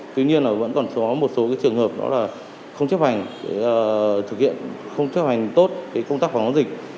tuy nhiên vẫn còn có một số trường hợp không chấp hành tốt công tác phòng chống dịch